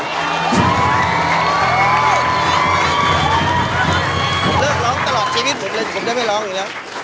ผมเลิกร้องตลอดชีวิตหมดเลยผมจะไม่ร้องหรือนะ